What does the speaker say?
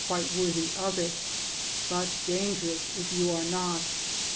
305 quite worthy of it, but dangerous if you are not.